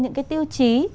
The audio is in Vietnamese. những cái tiêu chí